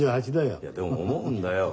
いやでも思うんだよ。